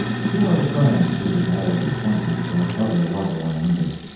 Who are the "friends" who desire the appointment of that other Lovel, I wonder!